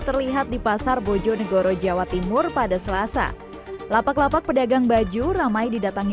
terlihat di pasar bojonegoro jawa timur pada selasa lapak lapak pedagang baju ramai didatangi